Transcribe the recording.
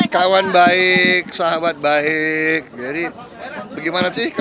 kawan baik sahabat baik jadi bagaimana sih